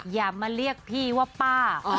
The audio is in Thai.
อย่ามาเรียกพี่ว่าป้า